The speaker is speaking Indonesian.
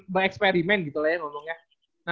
bereksperimen gitu lah ya ngomongnya